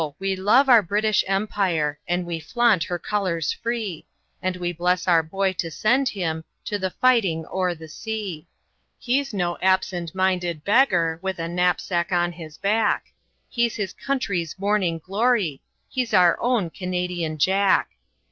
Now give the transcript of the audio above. we love our British Empire, And we flaunt her colors free, And we bless our boy and send him To the fighting o'er the sea. He's no "absent minded beggar" With a knapsack on his back; He's his country's Morning Glory! He's our own Canadian Jack!